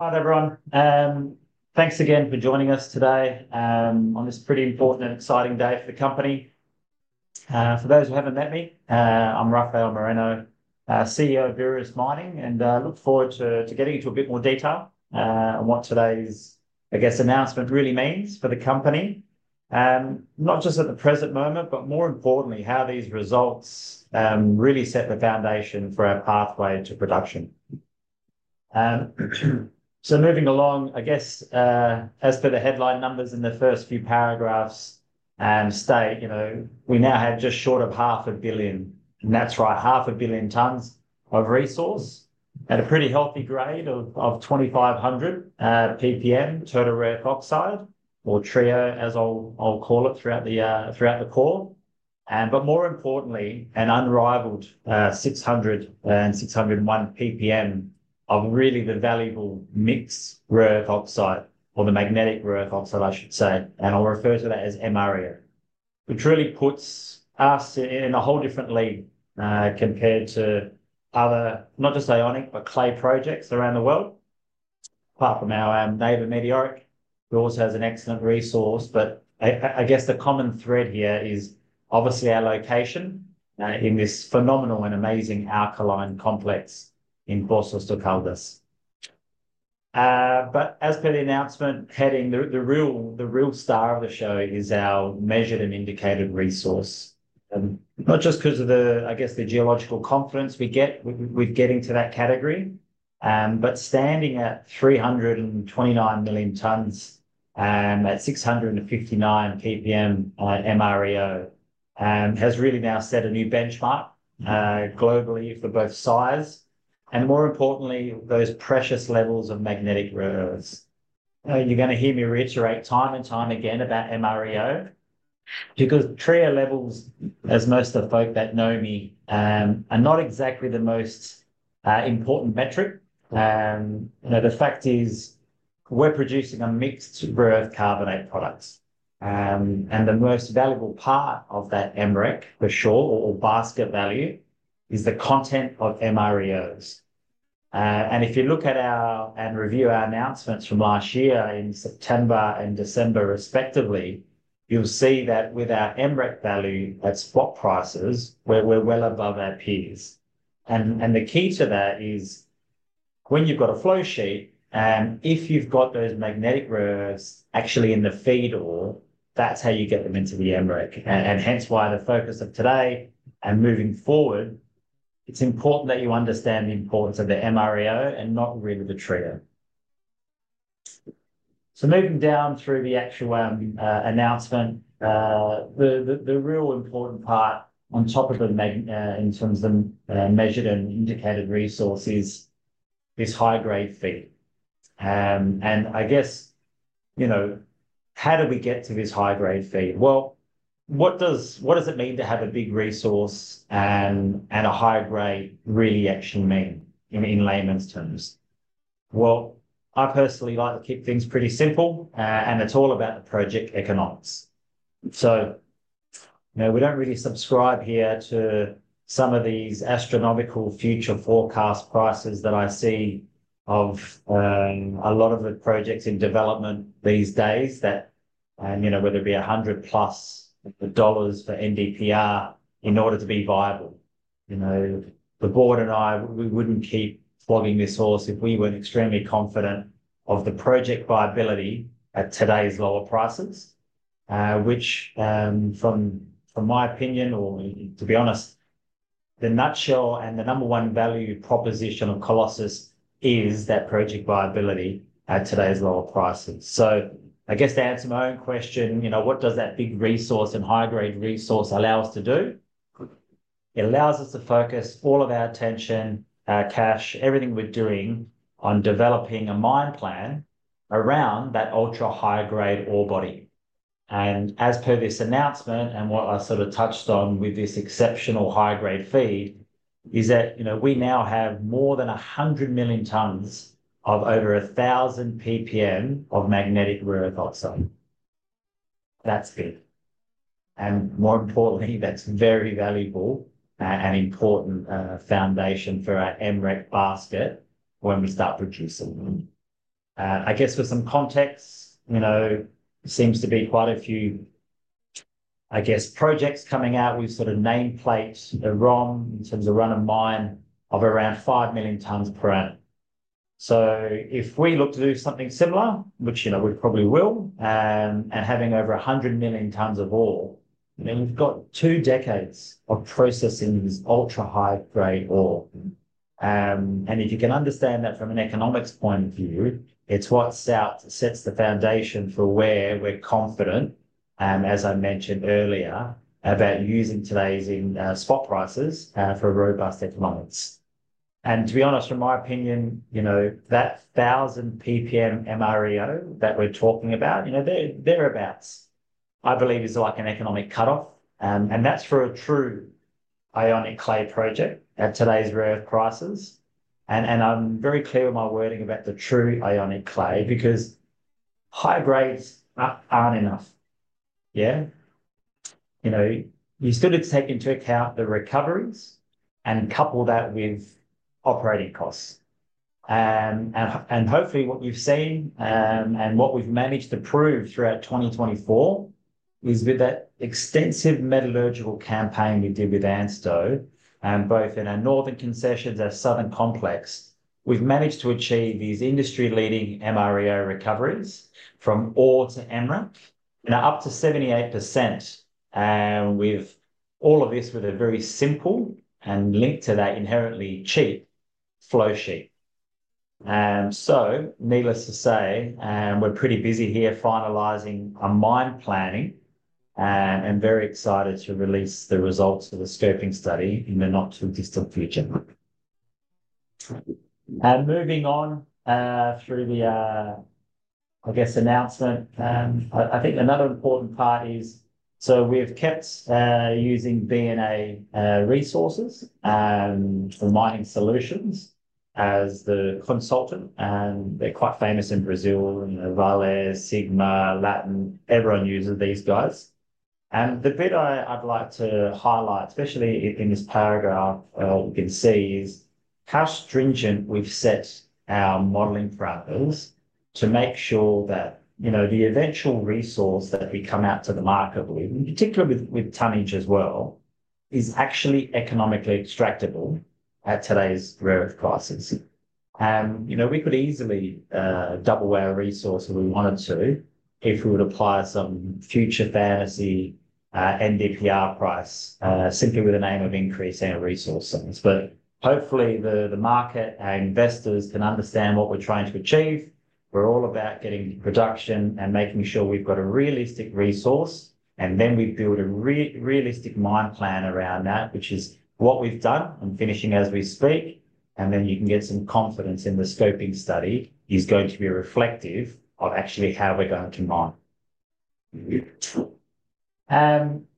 Hi everyone. Thanks again for joining us today on this pretty important and exciting day for the company. For those who haven't met me, I'm Rafael Moreno, CEO of Viridis Mining, and I look forward to getting into a bit more detail on what today's, I guess, announcement really means for the company, not just at the present moment, but more importantly, how these results really set the foundation for our pathway to production. So moving along, I guess, as for the headline numbers in the first few paragraphs, it states, you know, we now have just short of 500 million, and that's right, 500 million tonnes of resource at a pretty healthy grade of 2500 PPM total rare earth oxide, or TREO as I'll call it throughout the call. But more importantly, an unrivaled 600 and 601 ppm of really the valuable mixed rare earth oxide, or the magnetic rare earth oxide, I should say, and I'll refer to that as MREO, which really puts us in a whole different league compared to other, not just ionic, but clay projects around the world, apart from our neighbor Meteoric, who also has an excellent resource. I guess the common thread here is obviously our location in this phenomenal and amazing alkaline complex in Poços de Caldas. As per the announcement heading, the real star of the show is our measured and indicated resource, not just because of the, I guess, the geological confidence we get with getting to that category, but standing at 329 million tonnes at 659 ppm MREO has really now set a new benchmark globally for both size, and more importantly, those precious levels of magnetic rare earths. You're going to hear me reiterate time and time again about MREO because TREO levels, as most of the folks that know me, are not exactly the most important metric. The fact is we're producing a mixed rare earth carbonate products, and the most valuable part of that MREC, for sure, or basket value, is the content of MREOs. If you look at our and review our announcements from last year in September and December respectively, you'll see that with our MREC value at spot prices, we're well above our peers. The key to that is when you've got a flow sheet, and if you've got those magnetic rares actually in the feed ore, that's how you get them into the MREC. Hence why the focus of today and moving forward, it's important that you understand the importance of the MREO and not really the TREO. Moving down through the actual announcement, the real important part on top of the in terms of measured and indicated resource is this high grade feed. I guess, you know, how do we get to this high grade feed? What does it mean to have a big resource and a high grade really actually mean in layman's terms? I personally like to keep things pretty simple, and it's all about the project economics. We don't really subscribe here to some of these astronomical future forecast prices that I see of a lot of the projects in development these days that, you know, whether it be $100 plus for NdPr in order to be viable. You know, the board and I, we wouldn't keep plugging this horse if we weren't extremely confident of the project viability at today's lower prices, which from my opinion, or to be honest, the nutshell and the number one value proposition of Colossus is that project viability at today's lower prices. So I guess to answer my own question, you know, what does that big resource and high grade resource allow us to do? It allows us to focus all of our attention, our cash, everything we're doing on developing a mine plan around that ultra high grade ore body. And as per this announcement and what I sort of touched on with this exceptional high grade feed is that, you know, we now have more than 100 million tonnes of over 1000 PPM of magnetic rare earth oxide. That's big. More importantly, that's very valuable and important foundation for our MREC basket when we start producing. I guess for some context, you know, it seems to be quite a few, I guess, projects coming out. We've sort of nameplated the ROM in terms of run of mine of around 5 million tonnes per annum. If we look to do something similar, which, you know, we probably will, and having over 100 million tonnes of ore, then we've got two decades of processing this ultra high grade ore. If you can understand that from an economics point of view, it's what sets the foundation for where we're confident, as I mentioned earlier, about using today's spot prices for robust economics. To be honest, from my opinion, you know, that 1000 PPM MREO that we're talking about, you know, thereabouts, I believe is like an economic cutoff. And that's for a true Ionic clay project at today's rare earth prices. And I'm very clear with my wording about the true Ionic clay because high grades aren't enough. Yeah. You know, you still need to take into account the recoveries and couple that with operating costs. And hopefully what you've seen and what we've managed to prove throughout 2024 is with that extensive metallurgical campaign we did with ANSTO, both in our Northern Concessions and our Southern Complex, we've managed to achieve these industry leading MREO recoveries from ore to MREC, you know, up to 78%. And we've all of this with a very simple and linked to that inherently cheap flow sheet. So needless to say, we're pretty busy here finalizing our mine planning and very excited to release the results of the scoping study in the not too distant future. Moving on through the, I guess, announcement, I think another important part is, so we've kept using BNA Mining Solutions as the consultant. They're quite famous in Brazil, in the Vale, Sigma, Latin, everyone uses these guys. The bit I'd like to highlight, especially in this paragraph, you can see is how stringent we've set our modeling parameters to make sure that, you know, the eventual resource that we come out to the market with, in particular with tonnage as well, is actually economically extractable at today's rare earth prices. You know, we could easily double our resource if we wanted to, if we would apply some future fantasy NdPr price simply with the aim of increasing our resource sums. But hopefully the market, our investors, can understand what we're trying to achieve. We're all about getting production and making sure we've got a realistic resource, and then we build a realistic mine plan around that, which is what we've done. I'm finishing as we speak. And then you can get some confidence in the scoping study is going to be reflective of actually how we're going to mine.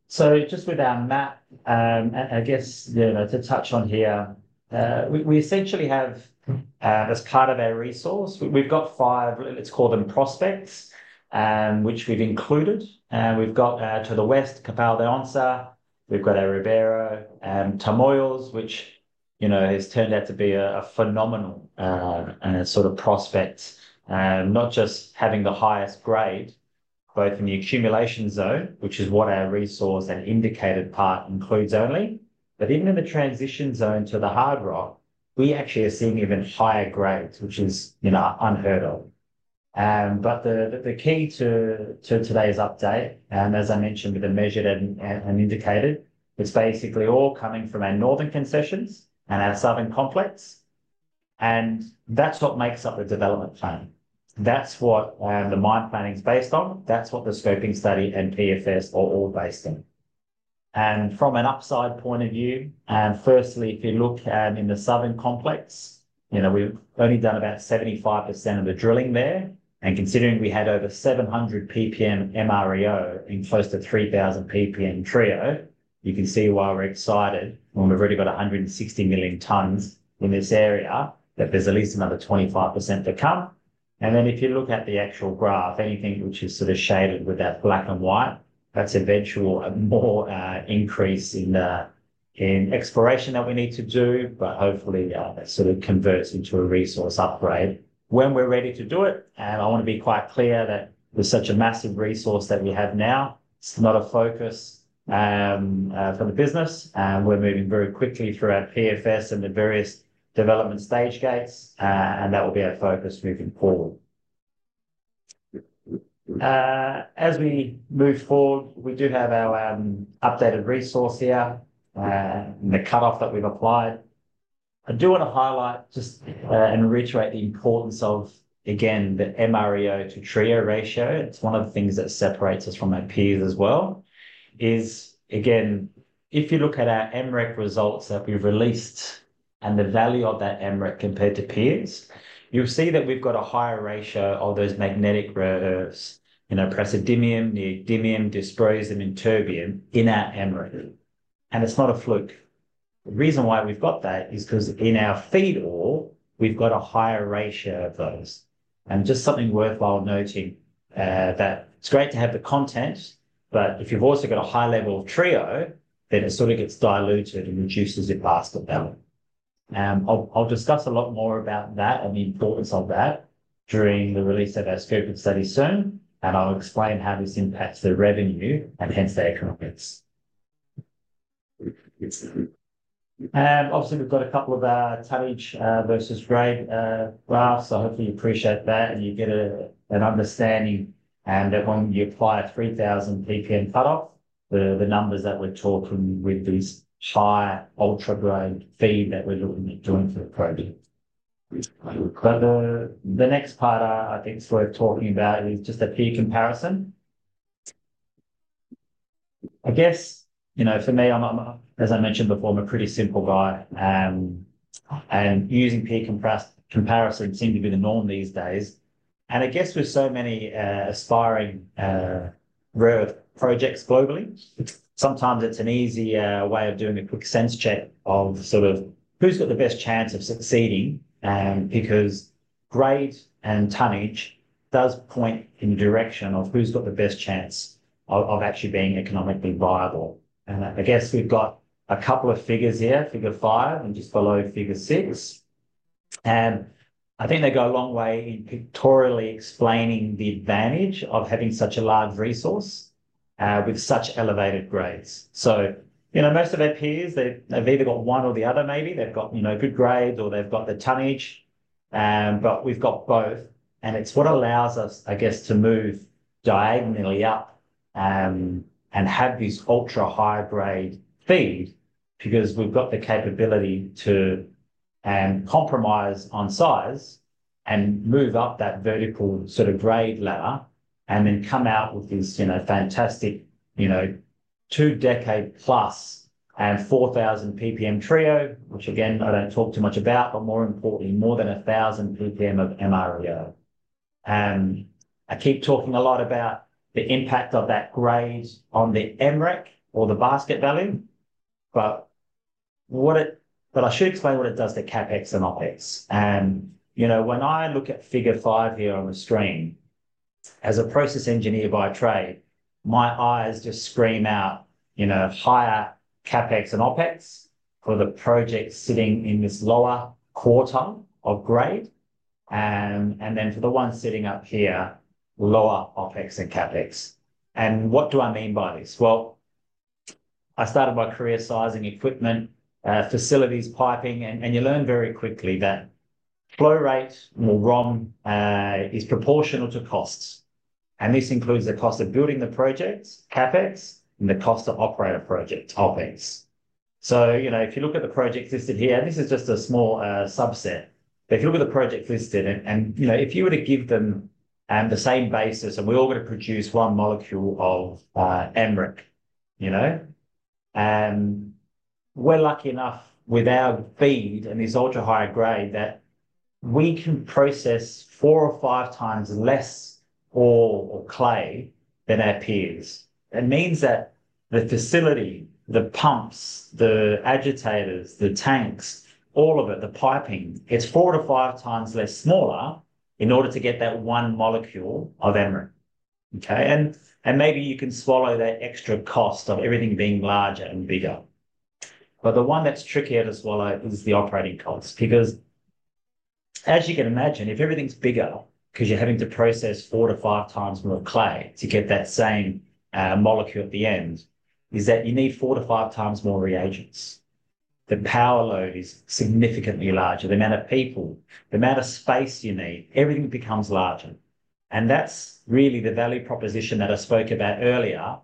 So just with our map, I guess, you know, to touch on here, we essentially have, as part of our resource, we've got five, let's call them prospects, which we've included. We've got to the west, Capão da Onça. We've got our Ribeirão and Tamoios, which, you know, has turned out to be a phenomenal sort of prospect, not just having the highest grade, both in the accumulation zone, which is what our resource and indicated part includes only, but even in the transition zone to the hard rock, we actually are seeing even higher grades, which is, you know, unheard of. But the key to today's update, and as I mentioned with the measured and indicated, it's basically all coming from our Northern Concessions and our Southern Complex. That's what makes up the development plan. That's what the mine planning is based on. That's what the scoping study and PFS are all based on. From an upside point of view, firstly, if you look in the Southern Complex, you know, we've only done about 75% of the drilling there. Considering we had over 700 PPM MREO in close to 3000 PPM TREO, you can see why we're excited when we've already got 160 million tonnes in this area, that there's at least another 25% to come. And then if you look at the actual graph, anything which is sort of shaded with that black and white, that's eventual more increase in exploration that we need to do, but hopefully that sort of converts into a resource upgrade when we're ready to do it. And I want to be quite clear that with such a massive resource that we have now, it's not a focus for the business. We're moving very quickly through our PFS and the various development stage gates, and that will be our focus moving forward. As we move forward, we do have our updated resource here and the cutoff that we've applied. I do want to highlight just and reiterate the importance of, again, the MREO to TREO ratio. It's one of the things that separates us from our peers as well is, again, if you look at our MREC results that we've released and the value of that MREC compared to peers, you'll see that we've got a higher ratio of those magnetic rare earths, you know, praseodymium, neodymium, dysprosium, and terbium in our MREC. And it's not a fluke. The reason why we've got that is because in our feed ore, we've got a higher ratio of those. And just something worthwhile noting that it's great to have the content, but if you've also got a high level of TREO, then it sort of gets diluted and reduces your basket value. I'll discuss a lot more about that and the importance of that during the release of our scoping study soon, and I'll explain how this impacts the revenue and hence the economics. Obviously, we've got a couple of our tonnage versus grade graphs, so hopefully you appreciate that and you get an understanding that when you apply a 3000 PPM cutoff, the numbers that we're talking with this high ultra grade feed that we're looking at doing for the project. But the next part I think it's worth talking about is just a peer comparison. I guess, you know, for me, as I mentioned before, I'm a pretty simple guy, and using peer comparisons seem to be the norm these days. I guess with so many aspiring rare earth projects globally, sometimes it's an easier way of doing a quick sense check of sort of who's got the best chance of succeeding because grade and tonnage does point in the direction of who's got the best chance of actually being economically viable. I guess we've got a couple of figures here, figure five and just below figure six. I think they go a long way in pictorially explaining the advantage of having such a large resource with such elevated grades. You know, most of our peers, they've either got one or the other, maybe they've got, you know, good grades or they've got the tonnage, but we've got both. It's what allows us, I guess, to move diagonally up and have this ultra high grade feed because we've got the capability to compromise on size and move up that vertical sort of grade ladder and then come out with this, you know, fantastic, you know, two decade plus and 4000 PPM TREO, which again, I don't talk too much about, but more importantly, more than 1000 PPM of MREO. I keep talking a lot about the impact of that grade on the MREC or the basket value, but I should explain what it does to CapEx and OpEx. You know, when I look at figure five here on the screen, as a process engineer by trade, my eyes just scream out, you know, higher CapEx and OpEx for the project sitting in this lower quarter of grade. For the ones sitting up here, lower OpEx and CapEx. What do I mean by this? I started my career sizing equipment, facilities, piping, and you learn very quickly that flow rate or ROM is proportional to costs. This includes the cost of building the projects, CapEx, and the cost of operating projects, OpEx. You know, if you look at the project listed here, this is just a small subset. If you look at the project listed and, you know, if you were to give them the same basis and we all were to produce one molecule of MREC, you know, and we're lucky enough with our feed and this ultra high grade that we can process four or five times less ore or clay than our peers. It means that the facility, the pumps, the agitators, the tanks, all of it, the piping, it's four to five times less smaller in order to get that one molecule of MREC. Okay, and maybe you can swallow that extra cost of everything being larger and bigger, but the one that's trickier to swallow is the operating cost because, as you can imagine, if everything's bigger because you're having to process four to five times more clay to get that same molecule at the end, is that you need four to five times more reagents. The power load is significantly larger. The amount of people, the amount of space you need, everything becomes larger, and that's really the value proposition that I spoke about earlier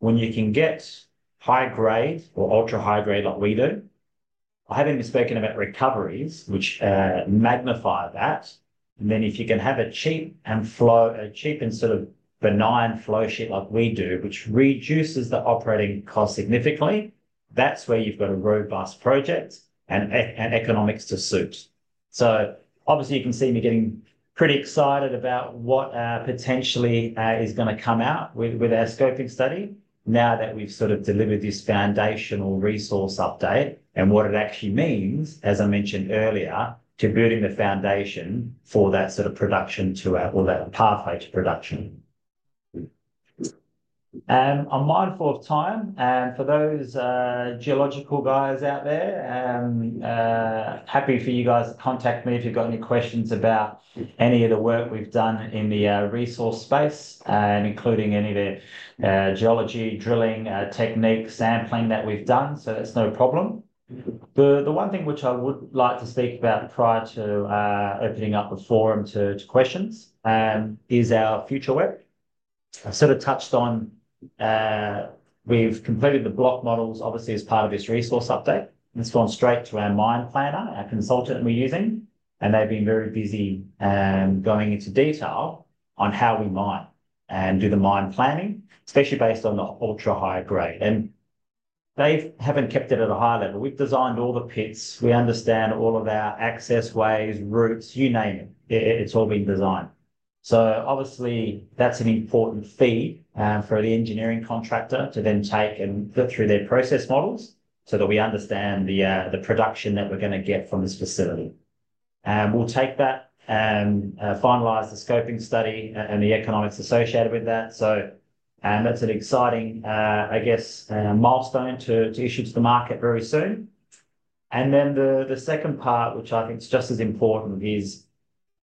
when you can get high grade or ultra high grade like we do. I haven't even spoken about recoveries, which magnify that. If you can have a cheap and sort of benign flow sheet like we do, which reduces the operating cost significantly, that's where you've got a robust project and economics to suit. Obviously you can see me getting pretty excited about what potentially is going to come out with our scoping study now that we've sort of delivered this foundational resource update and what it actually means, as I mentioned earlier, to building the foundation for that sort of production to ore or that pathway to production. I'm mindful of time. For those geological guys out there, happy for you guys to contact me if you've got any questions about any of the work we've done in the resource space, including any of the geology, drilling, techniques, sampling that we've done. That's no problem. The one thing which I would like to speak about prior to opening up the forum to questions is our future work. I sort of touched on we've completed the block models, obviously as part of this resource update. It's gone straight to our mine planner, our consultant we're using, and they've been very busy going into detail on how we mine and do the mine planning, especially based on the ultra high grade. And they haven't kept it at a high level. We've designed all the pits. We understand all of our access ways, routes, you name it. It's all been designed. So obviously that's an important feed for the engineering contractor to then take and look through their process models so that we understand the production that we're going to get from this facility. And we'll take that and finalize the scoping study and the economics associated with that. So that's an exciting, I guess, milestone to issue to the market very soon. And then the second part, which I think is just as important, is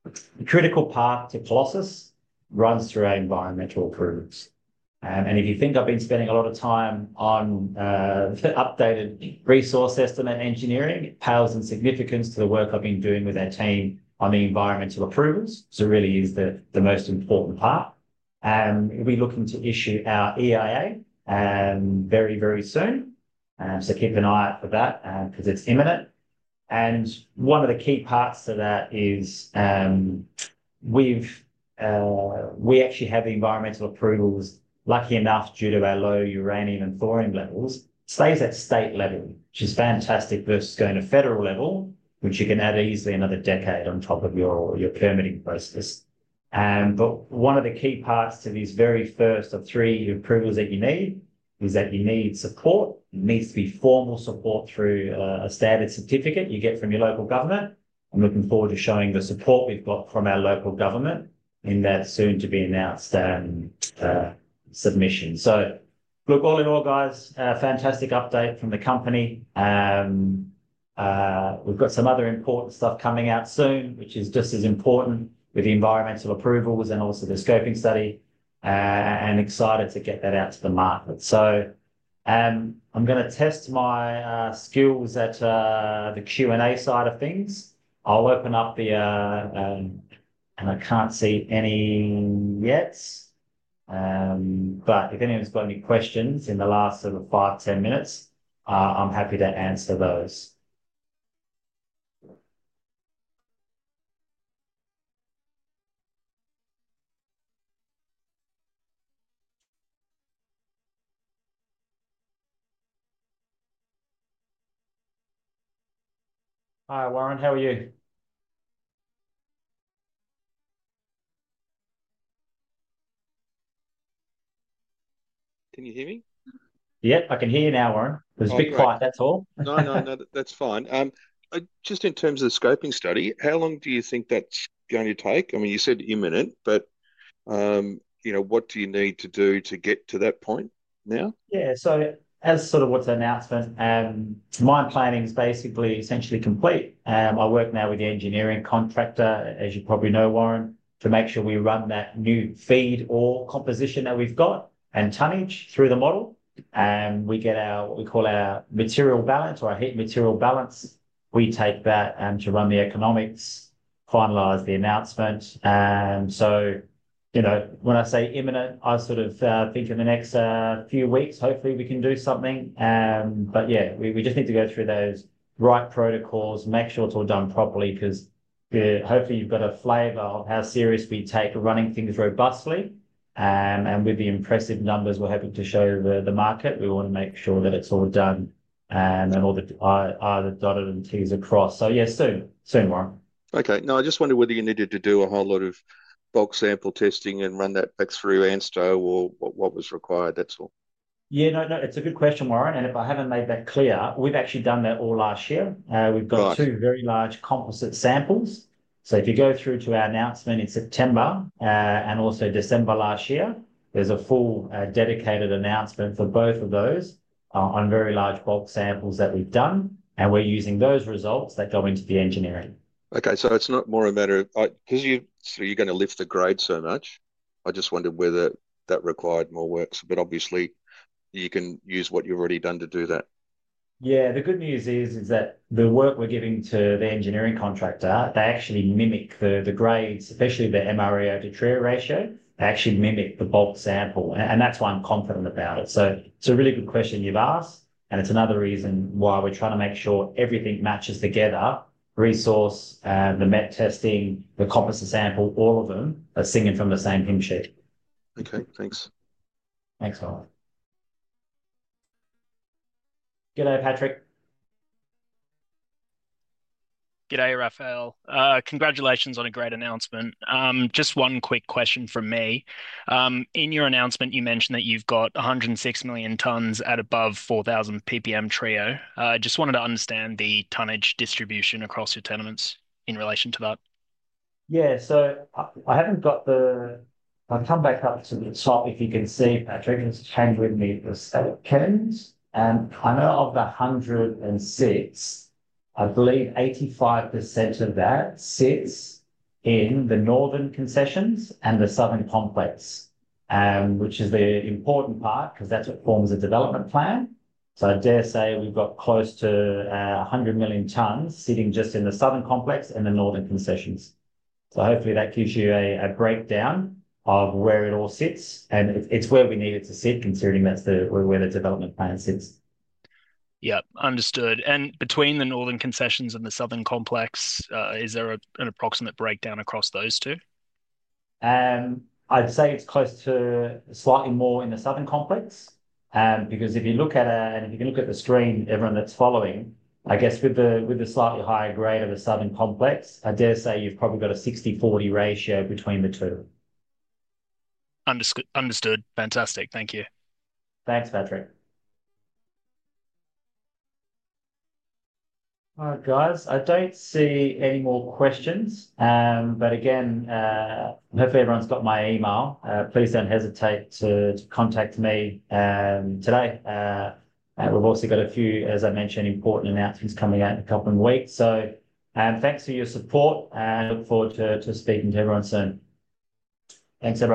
the critical path to Colossus runs through our environmental approvals. And if you think I've been spending a lot of time on the updated resource estimate engineering, it pales in significance to the work I've been doing with our team on the environmental approvals. So it really is the most important part. And we're looking to issue our EIA very, very soon. So keep an eye out for that because it's imminent. One of the key parts to that is we actually have environmental approvals. Lucky enough, due to our low uranium and thorium levels, it stays at state level, which is fantastic versus going to federal level, which you can add easily another decade on top of your permitting process. One of the key parts to these very first three approvals that you need is that you need support. It needs to be formal support through a standard certificate you get from your local government. I'm looking forward to showing the support we've got from our local government in that soon-to-be-announced submission. Look, all in all, guys, fantastic update from the company. We've got some other important stuff coming out soon, which is just as important with the environmental approvals and also the scoping study, and excited to get that out to the market. I'm going to test my skills at the Q&A side of things. I'll open up the, and I can't see any yet. But if anyone's got any questions in the last sort of five, 10 minutes, I'm happy to answer those. Hi, Warren, how are you? Can you hear me? Yep, I can hear you now, Warren. It was a bit quiet, that's all. No, no, no, that's fine. Just in terms of the scoping study, how long do you think that's going to take? I mean, you said imminent, but you know, what do you need to do to get to that point now? Yeah, so as sort of what's announced, mine planning is basically complete. I work now with the engineering contractor, as you probably know, Warren, to make sure we run that new feed ore composition that we've got and tonnage through the model. We get our what we call our material balance or our heat material balance. We take that to run the economics, finalize the announcement. You know, when I say imminent, I sort of think in the next few weeks, hopefully we can do something. Yeah, we just need to go through those right protocols, make sure it's all done properly because hopefully you've got a flavor of how serious we take running things robustly. With the impressive numbers we're hoping to show the market, we want to make sure that it's all done and all the i's are dotted and T's are crossed. Yeah, soon, soon, Warren. Okay. No, I just wondered whether you needed to do a whole lot of bulk sample testing and run that back through ANSTO or what was required, that's all. Yeah, no, no, it's a good question, Warren. And if I haven't made that clear, we've actually done that all last year. We've got two very large composite samples. So if you go through to our announcement in September and also December last year, there's a full dedicated announcement for both of those on very large bulk samples that we've done. And we're using those results that go into the engineering. Okay. So it's not more a matter of because you're going to lift the grade so much. I just wondered whether that required more work. But obviously you can use what you've already done to do that. Yeah. The good news is that the work we're giving to the engineering contractor, they actually mimic the grades, especially the MREO to TREO ratio. They actually mimic the bulk sample. And that's why I'm confident about it. So it's a really good question you've asked. And it's another reason why we're trying to make sure everything matches together. Resource, the Met testing, the composite sample, all of them are singing from the same hymn sheet. Okay. Thanks. Thanks, Warren. G'day, Patrick. G'day, Rafael. Congratulations on a great announcement. Just one quick question from me. In your announcement, you mentioned that you've got 106 million tonnes at above 4000 PPM TREO. I just wanted to understand the tonnage distribution across your tenements in relation to that. Yeah. So I haven't got the. I've come back up to the top if you can see, Patrick. Just hang with me for a second. And I know of the 106, I believe 85% of that sits in the Northern Concessions and the Southern Complex, which is the important part because that's what forms the development plan. So I dare say we've got close to 100 million tonnes sitting just in the Southern Complex and the Northern Concessions. So hopefully that gives you a breakdown of where it all sits. And it's where we need it to sit considering that's where the development plan sits. Yep. Understood. And between the Northern Concessions and the Southern Complex, is there an approximate breakdown across those two? I'd say it's close to slightly more in the Southern Complex. Because if you look at it, and if you can look at the screen, everyone that's following, I guess with the slightly higher grade of the Southern Complex, I dare say you've probably got a 60-40 ratio between the two. Understood. Fantastic. Thank you. Thanks, Patrick. All right, guys. I don't see any more questions. But again, hopefully everyone's got my email. Please don't hesitate to contact me today. We've also got a few, as I mentioned, important announcements coming out in a couple of weeks. So thanks for your support. I look forward to speaking to everyone soon. Thanks everyone.